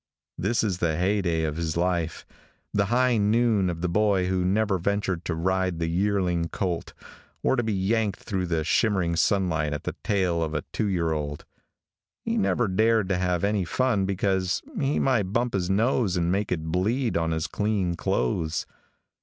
This is the heyday of his life; the high noon of the boy who never ventured to ride the yearling colt, or to be yanked through the shimmering sunlight at the tail of a two year old. He never dared to have any fun because he might bump his nose and make it bleed on his clean clothes.